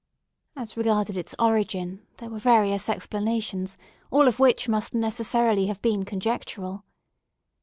As regarded its origin there were various explanations, all of which must necessarily have been conjectural.